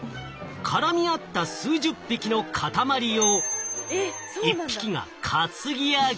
絡み合った数十匹の塊を１匹が担ぎ上げ。